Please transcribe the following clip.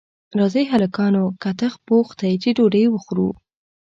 راځئ هلکانو کتغ پوخ دی چې ډوډۍ وخورو